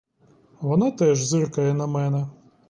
Вона теж зиркає на мене.